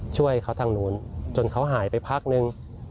ช่วยเขาทางนู้นจนเขาหายไปพักนึง